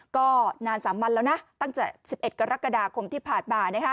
ก็นาน๓วันแล้วนะตั้งแต่๑๑กรกฎาคมที่ผ่านมา